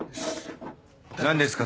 何ですか？